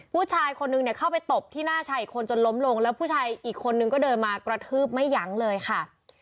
ผู้ชายคนนึงเนี่ยเข้าไปตบที่หน้าชายอีกคนจนล้มลงแล้วผู้ชายอีกคนนึงก็เดินมากระทืบไม่ยั้งเลยค่ะ